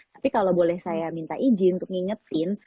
tapi kalau boleh saya minta izin untuk ngingetin